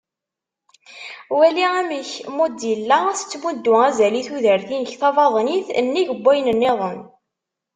Wali amek Mozilla tettmuddu azal i tudert-inek tabaḍnit nnig n wayen-nniḍen.